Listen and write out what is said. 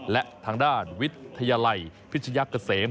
และทางด้านวิทยาลัยพิชยะเกษม